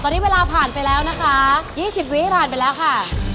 ตอนนี้เวลาผ่านไปแล้วนะคะ๒๐วิผ่านไปแล้วค่ะ